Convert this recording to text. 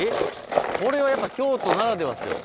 これはやっぱ京都ならではですよ。